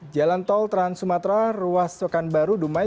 jalan tol trans sumatera ruas soekarno baru dumai